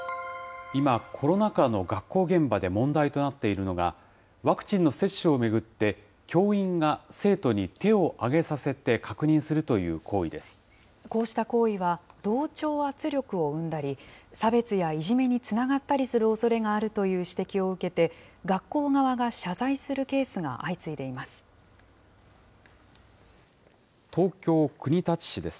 今、コロナ禍の学校現場で問題となっているのが、ワクチンの接種を巡って教員が生徒に手を挙げさこうした行為は同調圧力を生んだり、差別やいじめにつながったりするおそれがあるという指摘を受けて、学校側が謝罪するケースが相次いでいます。